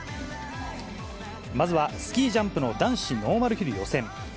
まずはスキージャンプの男子ノーマルヒル予選。